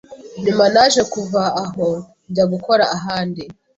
nyuma naje kuva aho njya gukora ahandi